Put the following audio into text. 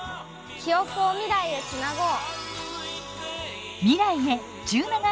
記憶を未来へつなごう。